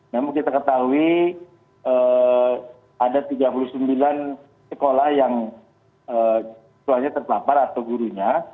namun kita ketahui ada tiga puluh sembilan sekolah yang tuanya terpapar atau gurunya